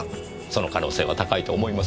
その可能性は高いと思いますよ。